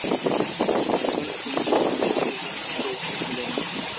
একজন Finnish nurse রোগীদের সঙ্গে এসেছিলেন।